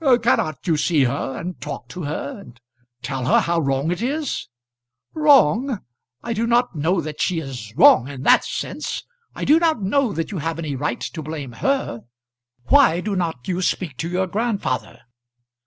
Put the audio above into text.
"Cannot you see her, and talk to her, and tell her how wrong it is?" "Wrong! I do not know that she is wrong in that sense. I do not know that you have any right to blame her. Why do not you speak to your grandfather?"